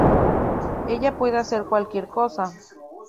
Ella puede hacer cualquier cosa.